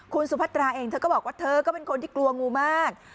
คุณสุพัตราเองเธอก็บอกว่าเธอก็เป็นคนที่กลัวงูมาก